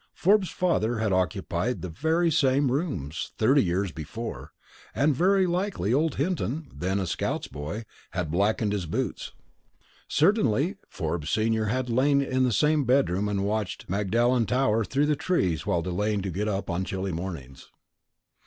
Forbes's father had occupied the very same rooms, thirty years before, and very likely old Hinton, then a "scout's boy," had blacked his boots. Certainly Forbes senior had lain in the same bedroom and watched Magdalen Tower through the trees while delaying to get up on chilly mornings.